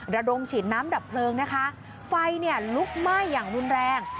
ระดมฉีดน้ำดับเพลิงนะคะไฟเนี่ยลุกไหม้อย่างรุนแรง